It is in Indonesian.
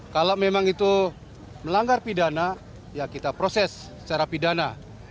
kalau memang itu melanggar pidana ya kita proses secara pidana